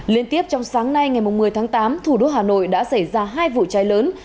liên tiếp trong sáng nay ngày một mươi tháng tám thủ đô hà nội đã xảy ra hai vụ cháy lớn